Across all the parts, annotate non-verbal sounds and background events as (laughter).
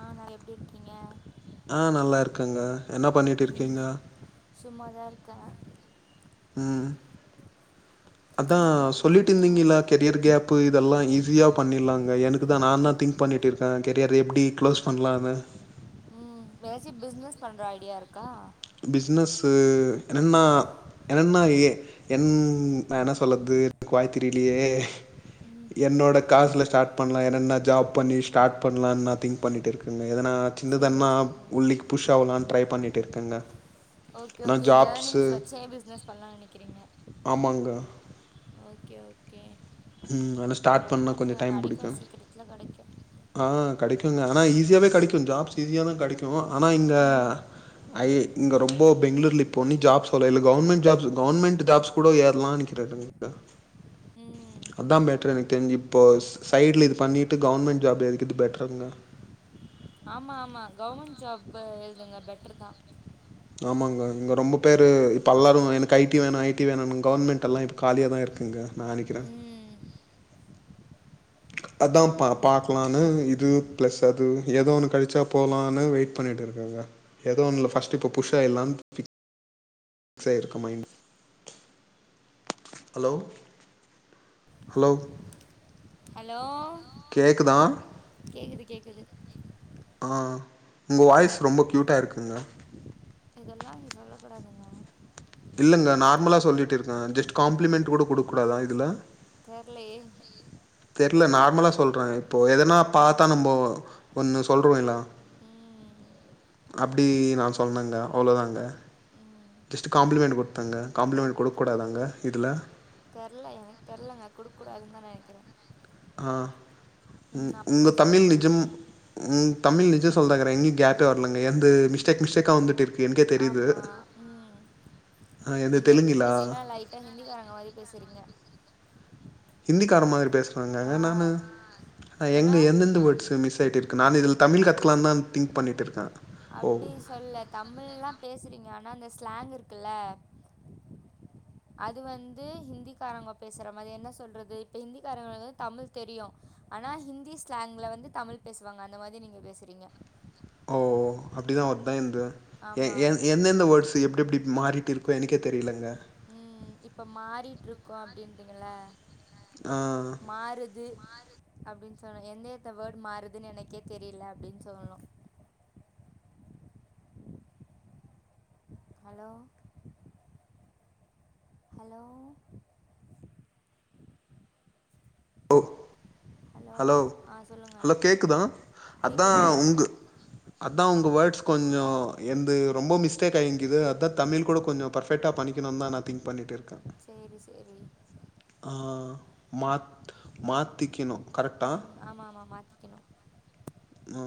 ஆ நா எப்படி இருக்கீங்க ஆ நல்லாருக்கங்க என்னா பண்ணிட்டு ம் இருக்கீங்க சும்மா தா இருக்கே ம் அதா நீங்கள் என்ன சொல்லிட்டு பண்ணுறீங்க இருந்தீங்களா கெரியர் கேப்பு இதெல்லா ஈஸிய பண்ணிடலாங்க எனக்கு தா நான்தா திங்க் பண்ணிட்டு இருக்கே கெரியர் எப்படி க்ளோஸ் பண்லாமே ம் வேற எதாச்சு பிசினஸ் பண்ற ஐடியா இருக்கா பிஸ்னஸ்ஸு ரென்னா என்னன்னா எ என் நா என்ன சொல்றது கோயத்திரிலயே ம் என்னோட காசுல ஸ்டார்ட் பண்ணலா என்னன்ன ஜாப் பண்ணி ஸ்டார்ட் பண்ணலானு நா திங்க் பண்ணிட்ருக்கே என் எதனா சரி சின்னதன்னா சரி உள்ளிக்கு புஷ் ஆவுலான்னு ட்ரை பண்ணிட்டு இருக்கேங்க ஓகே ஆனா ஓகே இந்த ஜாப்ஸு ஏர்னிங்ஸ் வச்சே பிசினஸ் பண்லான் நெனக்கிறீங்க ஆமாங்க. ஓகே ஓகே ம் ஆனா ஸ்டார்ட் ட்ரை பண்ணா கொஞ்சோ பண்ணுங்க டைம் புடிக்கு கடைக்கு சீக்ரத்துல கடைக்கு ஆ கடைக்குங்க ஆனா ஈஸியாவே கெடைக்கு ஜாப்ஸ் ஈஸியா தா கெடைக்கு ஆனா இந்த ம் ஐ இங்க ரொம்ப பெங்ளூர்ல இப்ப நீ ஜாப் சொல்லல கவர்மெண்ட் ஜாப்ஸ் கவர்மெண்ட் ஜாப்ஸ் கூட ஏறலான்னிக்குறது (unintelligible) ம் அதா பெட்டர் எனக்கு தெரிஞ்சு இப்போ சைடுல இது பண்ணிட்டு கவர்ன்மெண்ட் ஜாப் எனக்கிது இது பெட்ருங்க ஆமா ஆமா கவர்மெண்ட் ஜாப் எழுதுங்க பெட்ருதா ஆமாங்க இங்க ரொம்ப பேரு இப்ப எல்லோரும் எனக்கு ஐ டி வேணு ஐ டி வேணுனு கவர்மெண்ட்யெல்லா இப்ப காலியா தா இருக்குங்க நா நெனிக்கிறே ம் அதா பா பாக்கலானு இது ப்ளஸ் அது ஏதோ ஒன்னு கெடைச்சா போலானு வெயிட் பண்ணிட்டுருக்கேங்க எதோ ஒன்னுல ஃபர்ஸ்ட்டு இப்ப புஷ் ஆயிலானு பிக்ஸ் ஆயிருக்கு மைண்ட் ஹலோ ஹலோ ஹலோ கேக்குதா கேக்குது கேக்குது ஆ ஒங்க வாய்ஸ் ரொம்ப க்யூட்டா இருக்குங்க இதெல்லா இங்க சொல்லக்கூடாதுங்க இல்லங்க நார்மலா சொல்லிட்டு இருக்கேங் ஜஸ்ட் காம்ப்ளிமெண்ட் கூட குடுக்க கூடாதா இதுல தெர்லையே தெர்ல நார்மலா சொல்றே இப்போ எதனா ம் பாத்தா நம்ம ஒன்னு சொல்றோல்ல ம் அப்டி நா சொன்னங்க அவ்ளோதாங்க ம் ஜஸ்ட் காம்ப்ளிமெண்ட் குடுத்தங்க காம்ப்ளிமெண் குடுக்க கூடாதாங்க இதுல தெர்ல எனக்கு தெர்ல நா குடுக்கூடாதுனு தா நெனக்கிறே ஆ ம் உங்க அப்புறம் தமிழ் சொல்லுங்க நிஜம் ம் தமிழ் நிக்க சொல்றங்றாங்கற இன்னு கேப்பே வரலங்க எந்து மிஸ்டேக் மிஸ்டேக்கா வந்துட்டு இருக்கு எனக்கே தெரியுது ஆமா ம் ஆ எந்து நீங்க எப்டி தெலுங்குலா பேசுவீங்கனா லைட் டா ஹிந்திக்காரவ்ங்க மாரி பேசுறீங்க ஹிந்திக்காரே மாரி ஆ பேசுறேனாங்க நானு அ ஏன்னா எங்க எந்தெந்த வேர்ட்ஸ்சு மிஸ் ஆயிட்டுருக் கு நானு இதுல் தமிழ் கத்துக்களானு தா திங்க் பண்ணிட்டு இருக்கே ஓ அப்டி சொல்ல தமிழ்லா பேசுறீங்க ஆனா அந்த ஸ்லாங் இருக்குல்ல அது வந்து ஹிந்திக்காரவங்க பேசுற மாரி அ என்ன சொல்றது இப்ப ஹிந்திக்காரவ்ங்க வந்து தமிழ் தெரியு ஆனா ஹிந்தி ஸ்லாங்ல வந்து தமிழ் பேசுவாங்க அந்த மாதி நீங்க பேசுறீங்க ஓ அப்டிதா ஒருத்தே இந்த ஏ ஆமா ஏ ஆமா ஏ எந்தெந்த வேர்ட்ஸ் எப்டி எப்டி மாறிட்டு இருக்கே எனக்கே தெரிலங்க ம் இப்ப மாறிட்டு இருக்கு அப்டின்றீங்கல்ல ஆ மாறுது அப்டின்னு சொல்லலா எந்த எடத்துல வேர்டு மாறுதுனு எனக்கே தெரியல அப்டின்னு சொல்லா ஹலோ ஹலோ ஓ ஹலோ ஆ சொல்லுங்க ஹலோ கேக்குதா அதா கேட்குது கேட்குது ஒங்க அதா ஒங்க வேர்ட்ஸ் கொஞ்சொ என்து ரொம்ப மிஸ்டேக் ஆகிங்கிது அதா தமிழ் கூட கொஞ்சொ பெர்ஃபெக்டா பண்ணிக்கணுன்தா நா திங் பண்ணிட்டு இருக்கே சேரி சேரி ஆ மாத் மாத்திக்கிணு ம் ஆமா ஆமா மாத்திக்கிணு ஆ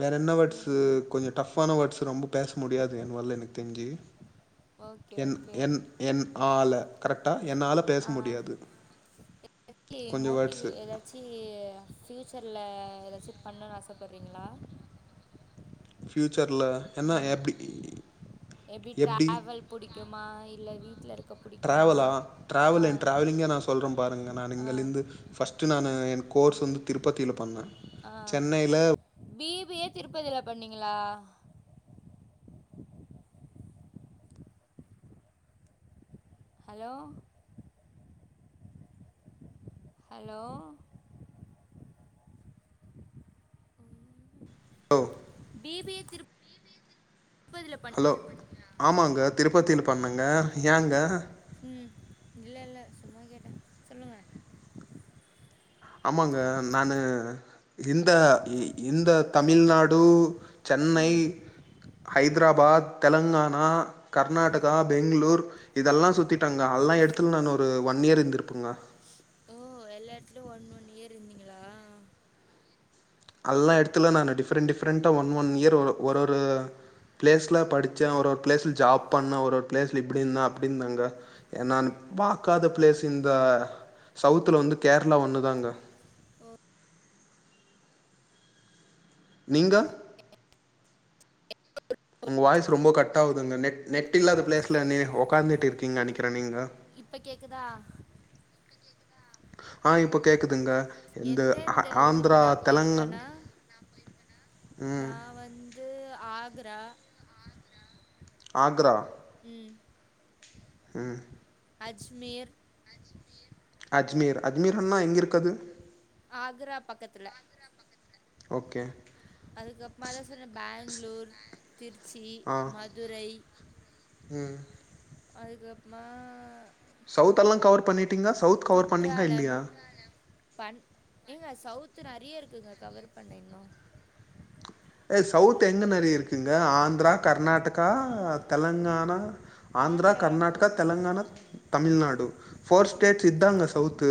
வேற என்ன வேர்ட்ஸ்சு ம் கொஞ்சோ டஃப்பான வேர்ட்ஸ்சு ரொம்ப பேச முடியாது என்வல எனக்கு தெரிஞ்சு ஓகே என் ஓகே என் என் ஆல கரெக்டா என் ஆல ஆ (unintelligible) கொஞ்சோ மோட்டிவ் வேர்ட்ஸு எதா ச்சி ஃப்யூச்சர்ல ஏதாச்சும் பண்ணணும்ன்னு ஆசைப்பட்றீங்களா ஃப்யூச்சர்ல என்னா எப்டி எப்டி டிராவல் புடிக்குமா இல்ல வீட்ல இருக்க புடிக்குமா டிராவல் என் டிராவலிங்க நா சொல்றே பாருங்க நா ஆ இங்கல இருந்து ஃபர்ஸ்ட்டு நானு என் கோர்ஸ் வந்து திருப்பத்தில பண்ணே அ பி பி ஏ திருப்பதில பண்ணீங்களா hello hello hello B B A திருப் பதி ல பண் ஹலோ ஆமாங்க திருப்பத்தில பண்ணேங்க ஏங்க ம் இல்ல இல்ல சும்மா கேட்டே சொல்லுங்க ஆமாங்க நானு இந்த இந்த தமிழ்நாடு சென்னை ம் ஹைதராபாத் தெலுங்கானா கர்நாடகா பெங்களூர் இதெல்லா சுத்திட்டங்க எல்லா எடத்துலயு நா ஒரு ஒன் இயர் இருந்திருப்பேங்க ஓ எல்லா எடத்துலயு ஒன் ஒன் இயர் இருந்தீங்களா அல்லா எடத்துலயு நானு டிஃப்ரெண்ட் டிஃப்ரெண்ட்டா ஒன் ஒன் இயர் ஒரு ஒரு ப்ளேஸ்ல படிச்சே ஒரு ஒரு ப்ளேஸ்ல ஜாப் பண்ண ஒரு ஒரு ப்ளேஸ்ல இப்டி இருந்த அப்டி இருந்தங்க த நா பாத்காத ப்ளேஸ்சு இந்த சவுத்ல வந்து கேர்ளா ஒன்னுதாங்க ஓ நீங்க உங்க வாய்ஸ் ரொம்ப கட் ஆகுதுங்க நெட் நெட் இல்லாத ப்ளேஸ்ல நீ உக்காந்துகிட்டு இருக்கீங்க நினைக்கிற நீங்க இப்ப கேக்குதா ஆ இப்ப கேக்குதுங்க இந்த எந்த ஆ எந்த ஊருக்கு ஆந்திரா நா தெலுங்கா போயிருக்கன்னா ம் நா வந் இது ஆக்ரா ஆக்ரா ம் ம் அஜ்மீர் அஜ்மீர் அஜ்மீர்ன்னா எங்க இருக்கு அது ஆக்ரா பக்கத்துல ஓகே அதுக்கப்புறமா தா சொன்னே பெங்ளூர் திருச்சி ஆ மதுரை ம் அதுக்கப்பமா சவுத் அல்லா கவர் பண்ணிட்டீங்க சவுத் கவர் பண்ணீங்களா குற்றாலம் இல்லையா பண் ஏங்க சவுத்து நறைய இருக்குங்க கவர் பண்ண இன்னும் ஏ சவுத் எங்க நெறைய இருக்கு இங்க ஆந்ரா கர்நாடக்கா தெலுங்கானா ஆந்ரா ஆந்திராலாம் கர்நாடக்கா போனதில்ல தெலுங்கானா தமிழ்நாடு ஃபோர் ம் ஸ்டேட்ஸ்ஸு இதாங்க சவுத்து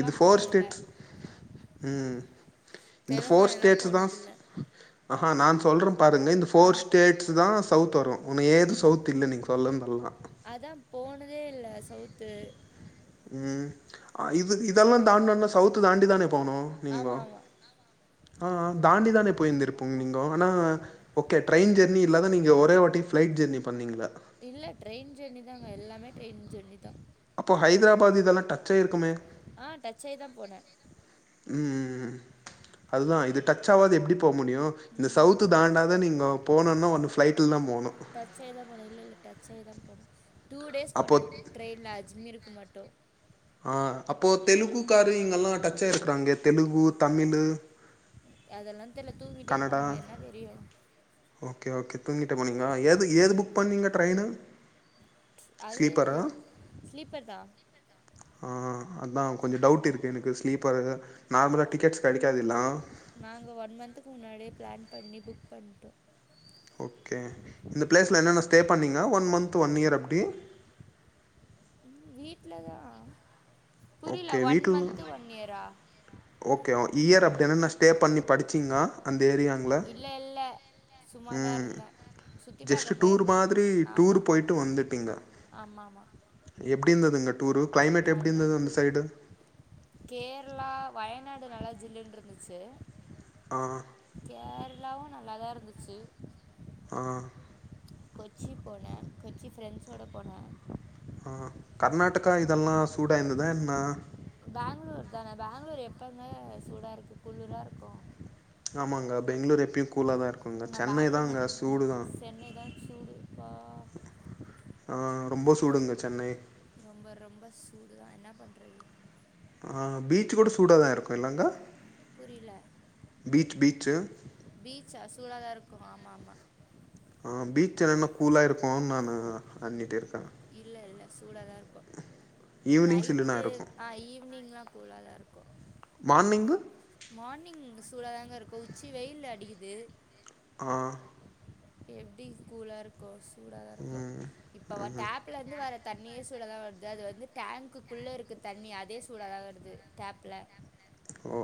இது ஃபோர் போனதில்ல ஸ்டேட்ஸ் ம் இந்த ஃபோர் தெலுங்கானாலாம் ஸ்சேட்ஸ்ஸு தா போனதில்ல அஹா நா சொல்றே பாருங்க இந்த ஆ ஃபோர் ஸ்டேட்ஸ்ஸு தா சவுத் வரு உனு ஏது சவுத் இல்ல நீங்க சொல்லுதல்லா அதா போனதே இல்ல சவுத்து ம் ஆ இது இதெல்லா தாண்னனா சவுத்து தாண்டி தானே போனு நீங்கொ ஆமாம் ஆமாம் ஆ தாண்டி தான போய்ருந்துருப்போ அம்மா நீங்கொ ஆனா ஓகே ட்ரெயின் ஜர்னி இல்லாத நீங்க ஒரே வாட்டி ஃபிளைட் ஜர்னி பண்ணீங்களா இல்ல ட்ரெயின் ஜெர்னி தாங்க எல்லாமே ட்ரெயின் ஜெர்னி தா அப்போ ஹைதராபாத் இதெல்லா டச் செய்ருக்குமே ஆ டச் ஆகி தான் போனேன் ம் ம் ம் அதுதா இது டச் ஆவாது எப்டி போ முடியு இந்த ம் சவுத் தாண்டாத நீங்க போனுனா ஒண்ணு ஃபிளைட்ல தா போணு சாய்தா போணே இல்லல்ல டச்சாய்தா போணே டூ டேஸ் அப்போ போனோ ட்ரெயின்ல அஜ்மீருக்கு மட்டு ஆ அப்போ தெலுங்கு காரிங்கெல்லா டச்சாய் இருக்காங்க தெலுங்கு தமிழு அதெல்லா தெரில தூக்கிட்டே கன்னடா போனொ என்ன தெரியு ஓகே ஓகே தூங்கிட்டு போனீங்ளா ஏது ஏது புக் பண்ணீங்க ட்ரெயினு அது ஸ்லீப்பரா ஸ்லீப்பர் தா ஆ அதா கொஞ்ச டவுட் இருக்கு எனக்கு ஸ்லீப்பரு நார்மலா டிக்கெட்ஸ் கடைக்காதுல்லா நாங்க ஒன் மன்துக்கு முன்னாடியே ப்ளான் பண்ணி புக் பண்ட்டோ ஓகே இந்த ப்ளேஸ்ல என்னென்ன ஸ்டே பண்ணிங்க ஒன் மன்த்து ஒன் இயர் அப்டி ம் வீட்ல தா புரில ஓகே ஒன் வீட்ல மன்த்து ஒன் இயரா ஓகே ஓ இயர் அப்டி என்னன்னா ஸ்டே பண்ணி படிச்சிங்கா அந்த ஏரியாங்ல சும்மாதா ம் இருந்தே ஜஸ்ட் டூர் மாதிரி டூர் போய்ட்டு வந்துட்டீங்க ஆமாம் ஆமாம் எப்டி இருந்துதுங்க டூரு க்ளைமேட் எப்டி இருந்தது அந்த சைடு கேர்ளா வயநாடு நல்ல ஜில்லுனு இருந்துச்சு ஆ கேர்ளாவு நல்லாதா இருந்துச்சு ஆ கொச்சி போன கொச்சி ஃப்ரெண்ஸ்ஸோட போன ஆ கர்நாடக்கா இதெல்லா சூடா இருந்துதா என்ன பங்ளூர் தான பங்ளூர் எப்பங்க சூடா இருக்கு குளுரா இருக்கு ஆமாங்க பெங்ளூர் எப்யு கூலாதாருக்கு ம் நா பங்ளூர் மட்டுதா சென்னை தா சூடு ப்பா ஆ ரொம்ப சூடுங்க சென்னை ரொம்ப ரொம்ப சூடு தா என்ன பண்றது ஆ பீச் கூட சூடாதாங்க இருக்கு இல்லங்க புரியல பீச் பீச்சு பீச்சா சூழாதா இருக்கு ஆமா ஆமா ஆ பீச் என்னென்னா கூலா இருக்குனு நானு அண்ணிடெ இருக்க இல்ல இல்ல சூடா தா இருக்கு ஈவினிங் சில்லுனா நைட்டு இருக்கும் ஆ ஈவினிங்கா கூலா தா இருக்கு மார்னிங்கு மார்னிங் இங்க சூடாதாங்க இருக்கோ உச்சி வெயில் அடிக்குது ஆ எப்டி கூலா இருக்கோ சூடா தா இருக்கோ ம் இப்போவ டேப் ம் டேப்லருந்து வர தண்ணியே சூடா தா வருது அது வந்து கேன்குக்குள்ள இருக்க தண்ணி அதே சூடா தா வருது டேப்ல ஓ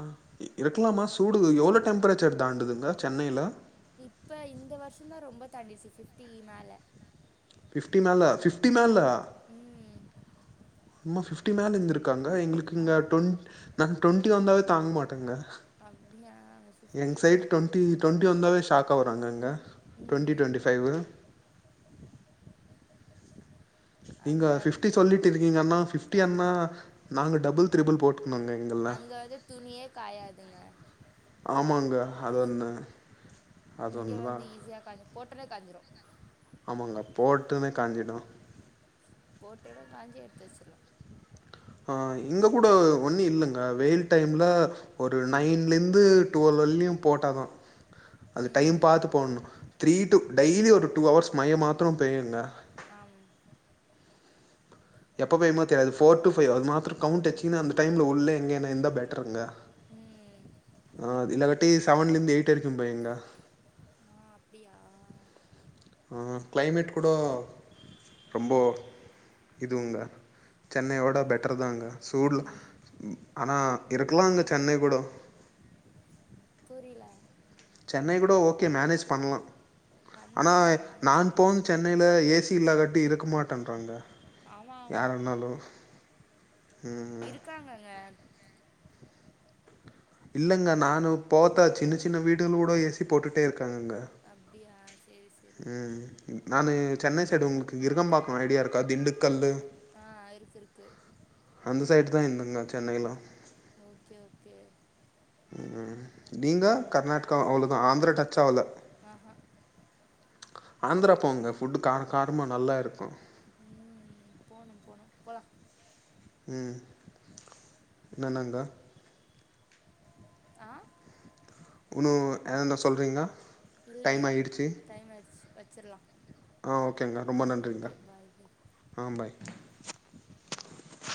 ஆ இருக் இருக்கலாமா சூடு எவ்ளோ டெம்பரேச்சர் தாண்டுதுங்க சென்னைல்ல இப்ப இந்த வருஷோ தா ரொம்ப தாண்ணிடுச்சு ஃபிஃப்டி னால ஃபிஃப்டி மேலா பிஃப்டி மேலா ம் ஓ ஃபிஃப்டி மேல இருந்துருக்காங்க எங்களுக்கு இங்கே ஆமாம் டொண்டி நாங்க ட்டொண்ட்டி வந்தாலே தாங்க மாட்டேங்க அப்டிய பிஃப்டி வராது ‌இங் டுவெண்டி வந்தாலே ஷாக்கா ஆவுராங்க இங்க டெண்ட்டி ம் டெவெண்டி ஃபைவு நீங்க அங்கே பிஃப்டி சொல்லிட்டு இருக்கீங்காமா பிஃப்டி என்னா ஆமாம் நாங்க டபுள் டிரிபள் போட்டுக்னோ எங்கள்க் அங்க வந்து துணியே காயாதுல்ல ஆமாங்க அது ஓன்னு இங்க வந்து ஈஸியா காஞ் போட்டோனே காஞ்சிரூ ஆமாங்க போட்டுன்னே காஞ்சிடும் போட்டோனே காஞ்சி எட்த்து வச்சிறுவோ ஆ இங்க கூட ஒன்னூ இல்லங்க வெயில் டைம்ல ஒரு நைன்ல இருந்து டுவல் வர்லுயூ போட்டாதா அது டைம் ம் பாத்து போட்ணூ த்ரீ டூ டெய்லி ஒரு டூ ஹர்ஸ் மயே மாத்திரெ பெய்யுங்க ஆம் எப்ப பேயுமோ தெரியாது ஃபோர் டு ஃபைவ் அது மாத்தரம் கவுண்ட் வெச்சுன்னா அந்த டைம் உள்ளே எங்கேன்னா இர்ந்தா பெட்டருங்க ம் அ இல்லகட்டி சவன்லிந்து எயிட் வரைக்கூ பேயுங்க அ அப்டியா ஆ க்ளைமேட் கூடோ ரொம்ப ஏய். இதுங்க சென்னையோட பெட்டரு தாங்க சூடூ ம் ஆனா இருக்கலாங்க சென்னை கூடோ புரில்ல சென்னை கூட ஓகே மேனேஜ் பண்ணலா பண்லா ஆனா பண்லா மேனேஜ் நான் பண்லா போன சென்னையில ஏசி இல்லா காட்டி இருக்க மாட்டேன்றாங்க ஆமா ஆமா யாரனாலூ ம் ம் இருக்காங்கெல்ல இல்லங்க நானு போர்த்தா சின்ன சின்ன வீடுங்குள் கூட ஏசி போட்டுட்டே இருக்காங்க ‌அங்க அப்டியாஸ் உ நானு சென்னை சைடு உங்களுக்கு விரூங்கபாக்கோ ஐடியா இருக்கா திண்டுக்கல்லு ஆ இருக்கு இருக்கு அந்த சைடு தா இருந்தே நா சென்னைலா ஓக்கே ஓக்கே ஆமா நீங்க கர்நாடகா அவ்வளோதா ஆந்திரா டச்சாவல ஹெ ஹெங் ஆந்திரா போங்க ஃபுட்டு் காரெ காரமா நல்லா இருக்கோ ம் ம் போனோ போனோ போலா ம் நானாங்க ஆ உன்னு என்னன சொல்றீங்களா இல்ல இல்ல டைம் ஆயிடுச்சு வச்சிடலா ஆ ஓகேங்கா ரொம்ப நன்றிங்கா பாய் பாய் ஆ பாய்